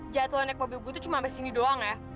jadulnya naik mobil gue tuh cuma sampe sini doang ya